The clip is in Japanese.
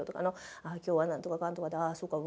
ああ今日はなんとかかんとかであ